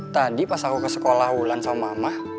tadi pas aku ke sekolah wulan sama mama